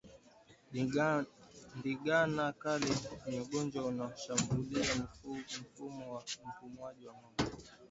Ndigana kali ni ugonjwa unaoshambulia mfumo wa upumuaji wa ngombe